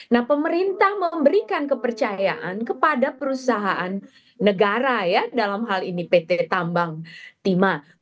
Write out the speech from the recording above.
nah pemerintah memberikan kepercayaan kepada perusahaan negara ya dalam hal ini pt tambang timah